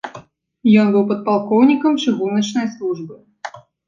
Ён быў падпалкоўнікам чыгуначнай службы.